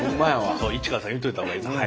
そう市川さん言うといた方がいいですよ